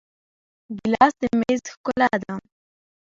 ګیلاس د میز ښکلا ده.